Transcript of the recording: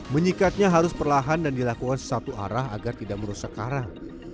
menyikatnya harus perlahan dan dilakukan sesatu arah agar tidak merusak karang